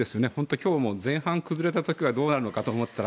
今日も前半崩れた時はどうなるかと思ったけど。